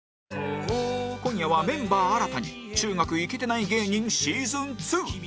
今夜はメンバー新たに中学イケてない芸人シーズン Ⅱ